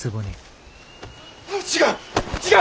違う！